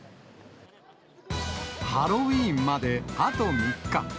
ハロウィーンまであと３日。